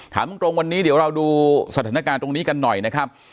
ถามตรงวันนี้เดี๋ยวเราดูสถานการณ์ตรงนี้กันหน่อยนะครับ